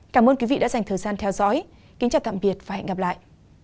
cảm ơn quý vị đã dành thời gian theo dõi kính chào tạm biệt và hẹn gặp lại